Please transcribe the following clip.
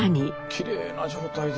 きれいな状態で。